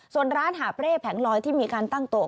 ส่วนร้านหาบเร่แผงลอยที่มีการตั้งตัว